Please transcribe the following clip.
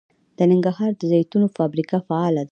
د ننګرهار د زیتون فابریکه فعاله ده.